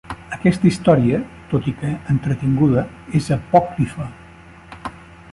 Aquesta història, tot i que entretinguda, és apòcrifa.